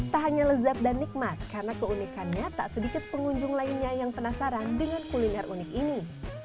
tak hanya lezat dan nikmat karena keunikannya tak sedikit pengunjung lainnya yang penasaran dengan kuliner unik ini